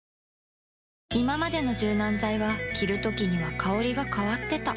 いままでの柔軟剤は着るときには香りが変わってた